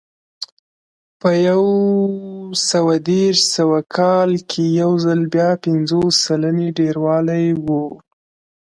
په یو سوه دېرش سوه کال کې یو ځل بیا پنځوس سلنې ډېروالی و